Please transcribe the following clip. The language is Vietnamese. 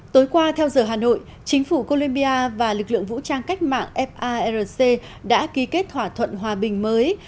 tối qua theo giờ hà nội chính phủ colombia và lực lượng vũ trang cách mạng farc đã ký kết thỏa thuận hòa bình mới